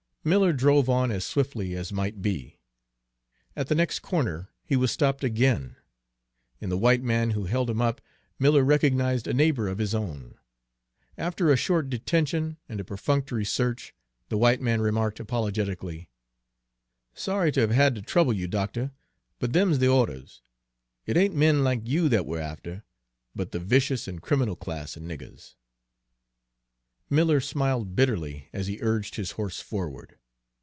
Miller drove on as swiftly as might be. At the next corner he was stopped again. In the white man who held him up, Miller recognized a neighbor of his own. After a short detention and a perfunctory search, the white man remarked apologetically: "Sorry to have had to trouble you, doctuh, but them's the o'ders. It ain't men like you that we're after, but the vicious and criminal class of niggers." Miller smiled bitterly as he urged his horse forward.